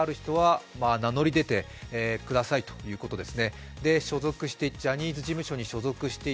性被害がかつてあった人は名乗り出てくださいということです。